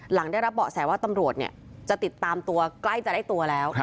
หลังได้รับเบาะแสว่าตำรวจจะติดตามตัวใกล้จะได้ตัวแล้ว